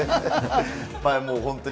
もう本当に。